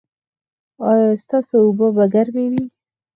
ایا ستاسو اوبه به ګرمې وي؟